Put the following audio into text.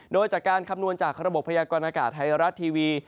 โดยจากการคำนวณจากระบบพยากรณากาศไทยรัฐทีวี